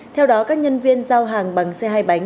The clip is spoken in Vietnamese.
theo đó các nhân viên giao hàng bằng xe hai bánh